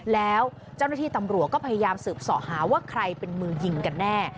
แล้วเจ้าหน้าที่ตำรวจก็พยายามสืบส่อหาว่าใครเป็นมือยิงกันแน่